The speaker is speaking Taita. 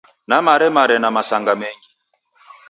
Namaremare na masanga mengi.